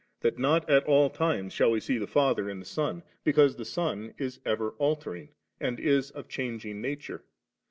327 that not at all times shall we see the Father in the Son, because the Son is ever altering, and is of changing nature.